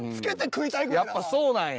やっぱそうなんや。